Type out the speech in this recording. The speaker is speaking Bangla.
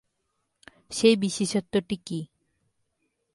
সেই বিশেষত্বটি কী?